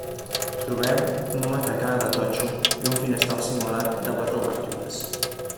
Trobem un matacà de totxo i un finestral simulat de quatre obertures.